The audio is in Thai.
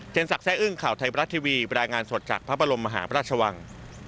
สักแร่อึ้งข่าวไทยบรัฐทีวีบรรยายงานสดจากพระบรมมหาพระราชวัง